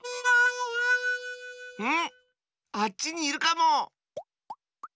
ん⁉あっちにいるかも！